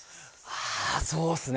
あそうですね